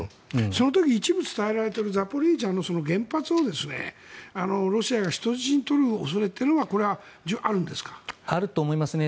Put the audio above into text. その時一部伝えられているザポリージャの原発をロシアが人質に取る恐れというのはあると思いますね。